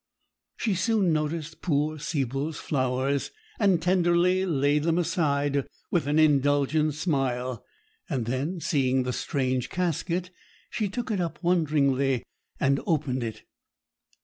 She soon noticed poor Siebel's flowers, and tenderly laid them aside with an indulgent smile; and then seeing the strange casket, she took it up wonderingly and opened it.